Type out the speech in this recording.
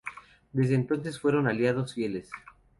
Desde entonces fueron aliados fieles.